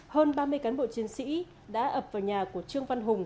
hơn ba mươi cán bộ chiến sĩ đã ập vào nhà của trương văn hùng